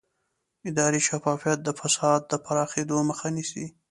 اداري شفافیت د فساد د پراخېدو مخه نیسي